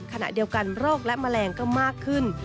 ขณะเดียวกันโรคและแมลงก็มากขึ้น